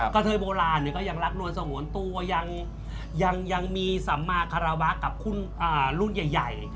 กะเทยโบราณในก็ยังรักลวนสัมหวนตัวยังมีสัมมาคราวะกับหุ้นรูปใหญ่